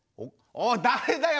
おい誰だよ